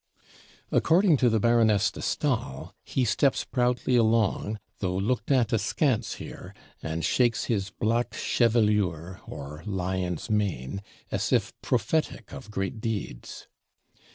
According to the Baroness de Staël, he steps proudly along, though looked at askance here, and shakes his black chevelure, or lion's mane, as if prophetic of great deeds.